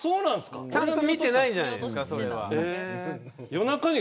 ちゃんと見てないんじゃないですか。